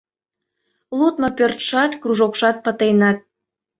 Лудмо пӧртшат, кружокшат пытеныт.